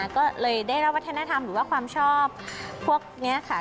ก็เลยได้รับวัฒนธรรมหรือว่าความชอบพวกนี้ค่ะ